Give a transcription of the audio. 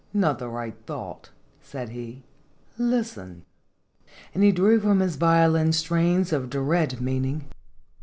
"Not the right thought," said he; "listen." And he drew from his violin strains of dread meaning.